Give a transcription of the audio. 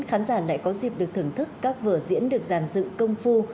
khán giả lại có dịp được thưởng thức các vở diễn được giàn dựng công phu